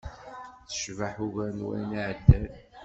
Tecbeḥ, ugar n wayen iɛeddan.